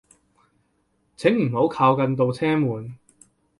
請唔好靠近度車門